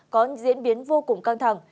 có diễn biến vô cùng căng thẳng